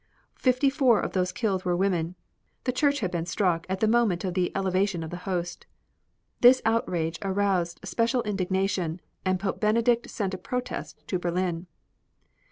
Fifty four of those killed were women. The church had been struck at the moment of the Elevation of the Host. This outrage aroused special indignation, and Pope Benedict sent a protest to Berlin.